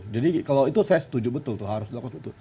jadi kalau itu saya setuju betul harus dilakukan